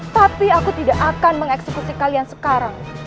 tapi aku tidak akan mengeksekusi kalian sekarang